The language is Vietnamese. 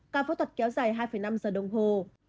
ca phẫu thuật kéo dài hai năm giờ đồng hồ